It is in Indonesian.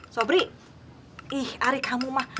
sobri ih arik kamu mah